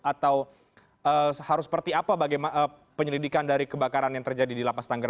atau harus seperti apa penyelidikan dari kebakaran yang terjadi di lapas tanggerang